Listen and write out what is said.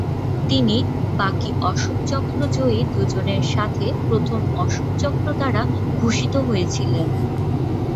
তিনি বাকি অশোক চক্র জয়ী দুজনের সাথে প্রথম অশোক চক্র দ্বারা ভূষিত হয়েছিলেন।